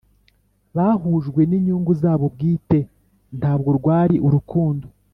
bahujwe n’ inyungu zabo bwite ntabwo rwari urukundo